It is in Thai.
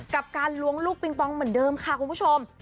กับการล้วงลูกปิงปองเหมือนเดิมค่ะคุณผู้ชม